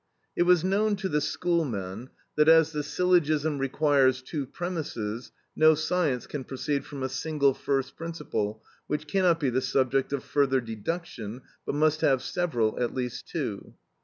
It was known to the schoolmen,(19) that, as the syllogism requires two premises, no science can proceed from a single first principle which cannot be the subject of further deduction, but must have several, at least two.